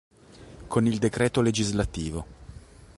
Con il D. Lgs.